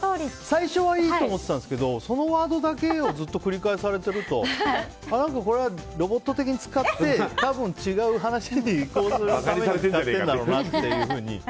最初はいいと思ってたんですがそのワードを繰り返されてるとこれ、ロボット的に使って多分、違う話に移行するために使ってんだろうなって。